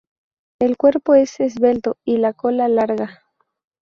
El cuerpo es esbelto y la cola larga.